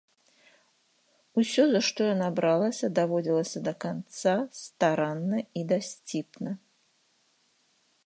Усё, за што яна бралася, даводзілася да канца старанна і дасціпна.